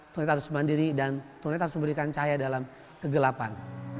tuna netra harus mandiri dan tuna netra harus memberikan cahaya dalam kegelapan